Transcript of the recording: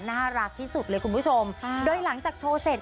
น่ารักที่สุดเลยคุณผู้ชมโดยหลังจากโชว์เสร็จ